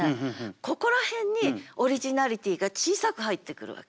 ここら辺にオリジナリティが小さく入ってくるわけ。